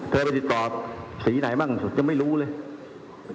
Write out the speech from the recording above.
เธอไปติดต่อสีไหนบ้างจะไม่รู้เลย